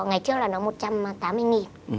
ngày trước là nó một trăm tám mươi nghìn